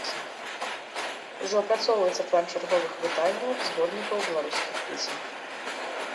Ужо апрацоўваецца план чарговых выданняў зборнікаў беларускіх песень.